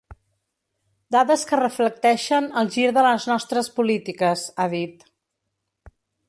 “Dades que reflecteixen el gir de les nostres polítiques”, ha dit.